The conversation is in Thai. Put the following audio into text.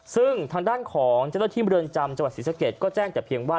ซึ่งทางด้านของเจ้าหน้าที่เมืองจำจังหวัดศรีสะเกดก็แจ้งแต่เพียงว่า